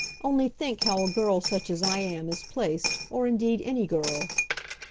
Only think how a girl such as I am is placed; or indeed any girl.